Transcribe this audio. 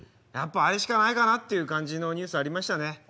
やっぱあれしかないかなっていう感じのニュースありましたね。